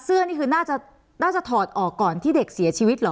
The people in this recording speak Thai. เสื้อนี่คือน่าจะน่าจะถอดออกก่อนที่เด็กเสียชีวิตหรอ